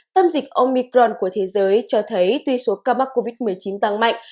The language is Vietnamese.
tâm dịch omicron của thế giới cho thấy tuy số ca mắc covid một mươi chín tăng mạnh